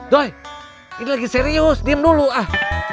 doy ini lagi serius diem dulu ah